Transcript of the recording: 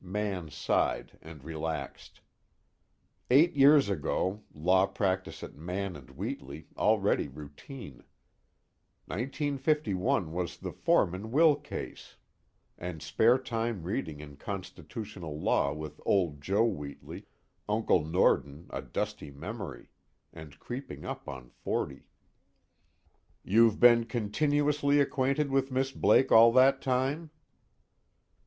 Mann sighed and relaxed. Eight years ago, law practice at Mann and Wheatley already routine: 1951 was the Forman will case; and spare time reading in constitutional law with old Joe Wheatley, Uncle Norden a dusty memory; and creeping up on forty. "You've been continuously acquainted with Miss Blake all that time?"